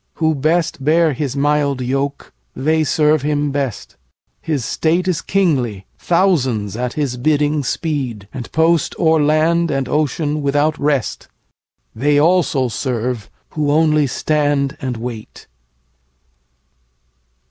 Who best Bear his mild yoke, they serve him best. His state Is kingly: thousands at his bidding speed, And post o'er land and ocean without rest; They also serve who only stand and wait.'